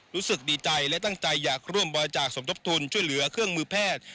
รู้สึกดีใจและตั้งใจอยากร่วมบริจาคสมทบทุนช่วยเหลือเครื่องมือแพทย์